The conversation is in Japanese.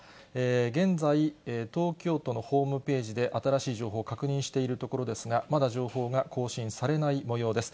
現在、東京都のホームページで、新しい情報、確認しているところですが、まだ情報が更新されないもようです。